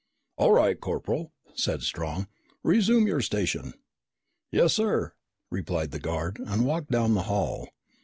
"All right, Corporal," said Strong. "Resume your station." "Yes, sir," replied the guard and walked down the hall.